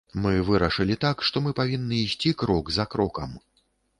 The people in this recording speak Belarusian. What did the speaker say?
Мы вырашылі так, што мы павінны ісці крок за крокам.